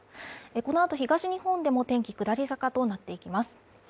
このあと東日本でも天気下り坂となっていきます。